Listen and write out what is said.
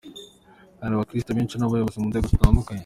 Hari abakristo benshi n'abayobozi mu nzego zitandukanye.